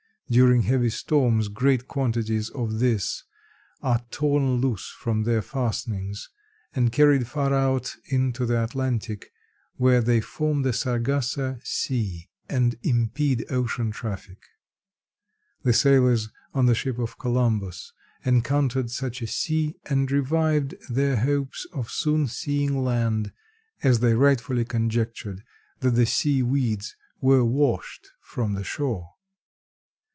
During heavy storms great quantities of this are torn loose from their fastenings and carried far out into the Atlantic where they form the Sargassa sea and impede ocean traffic. The sailors on the ships of Columbus encountered such a sea and revived their hopes of soon seeing land, as they rightfully conjectured that the sea weeds were washed from the shore.